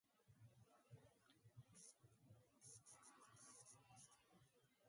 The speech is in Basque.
Izan ere, epaimahaiak dagoeneko hautatu ditu kantu finalistak.